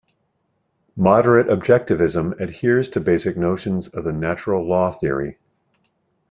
Moderate objectivism adheres to basic notions of the Natural Law Theory.